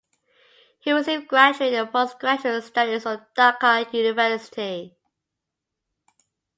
He received graduate and postgraduate studies from Dhaka University.